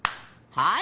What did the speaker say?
はい。